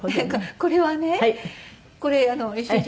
これはねこれ。